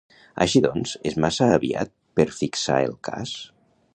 Així doncs, és massa aviat per fitxar el cas?